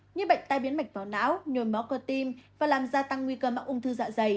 như bệnh tai biến mạch vào não nhồi móc cơ tim và làm gia tăng nguy cơ mạng ung thư dạ dày